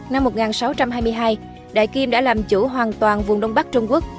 năm một nghìn sáu trăm hai mươi hai đại kim đã làm chủ hoàn toàn vùng đông bắc trung quốc